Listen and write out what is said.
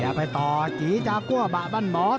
อย่าไปต่อจีจะกลัวบะบรรหมอง